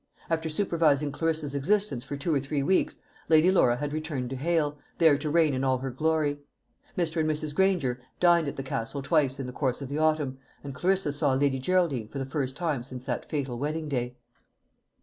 After supervising Clarissa's existence for two or three weeks, Lady Laura had returned to Hale, there to reign in all her glory. Mr. and Mrs. Granger dined at the castle twice in the course of the autumn, and Clarissa saw Lady Geraldine for the first time since that fatal wedding day.